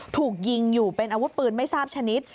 ถูกยิงอยู่เป็นอาวุธปืนไม่ทราบชนิด